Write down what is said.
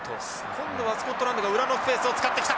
今度はスコットランドが裏のスペースを使ってきた。